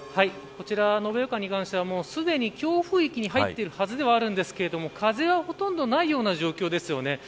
こちらは延岡に関してはすでに強風域に入ってるはずなんですが風はほとんどないような状況ですよね。